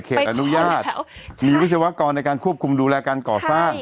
เขตอนุญาตมีวิจิกรากรในการควบคุมดูแลการกอดสร้าง